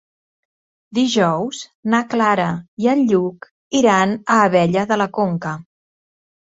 Dijous na Clara i en Lluc iran a Abella de la Conca.